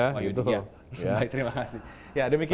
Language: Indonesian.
prof yudhian wahyudi terima kasih